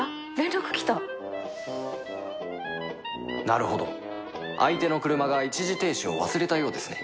なるほど相手の車が一時停止を忘れたようですね